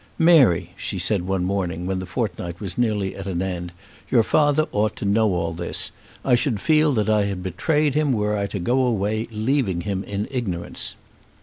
"Mary," she said one morning, when the fortnight was nearly at an end, "your father ought to know all this. I should feel that I had betrayed him were I to go away leaving him in ignorance."